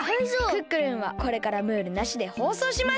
「クックルン」はこれからムールなしでほうそうします！